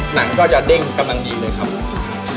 หนังก็จะเด้งกำลังดีเลยครับผม